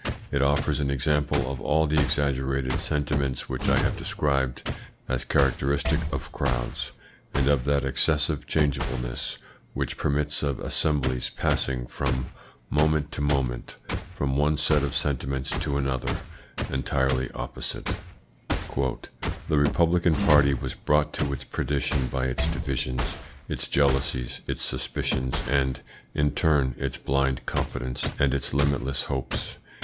It offers an example of all the exaggerated sentiments which I have described as characteristic of crowds, and of that excessive changeableness which permits of assemblies passing, from moment to moment, from one set of sentiments to another entirely opposite. "The Republican party was brought to its perdition by its divisions, its jealousies, its suspicions, and, in turn, its blind confidence and its limitless hopes.